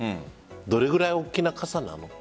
どれくらい大きな傘なの？